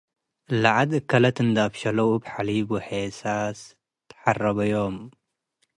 ለዐድ አከለት እንዴ አብሸለው እብ ሐሊበ ወሔሳሰ ሐረበዮም።